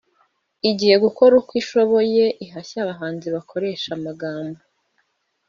igiye gukora uko ishoboye ihashye abahanzi bakoresha amagambo